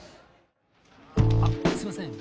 あっすいません。